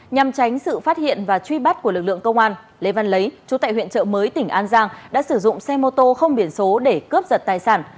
nhằm tránh sự phát hiện và truy bắt của lực lượng công an lê văn lấy chú tại huyện trợ mới tỉnh an giang đã sử dụng xe mô tô không biển số để cướp giật tài sản